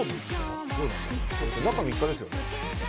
中３日ですよね。